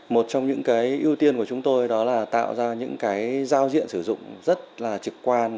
một trong những ưu tiên của chúng tôi đó là tạo ra những giao diện sử dụng rất trực quan